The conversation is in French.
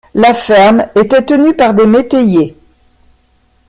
La ferme était tenue par des métayers.